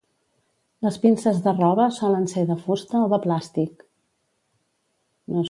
Les pinces de roba solen ser de fusta o de plàstic.